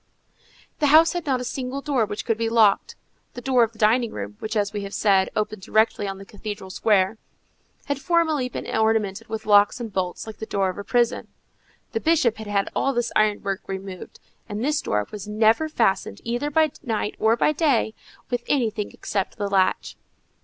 The house had not a single door which could be locked. The door of the dining room, which, as we have said, opened directly on the cathedral square, had formerly been ornamented with locks and bolts like the door of a prison. The Bishop had had all this ironwork removed, and this door was never fastened, either by night or by day, with anything except the latch.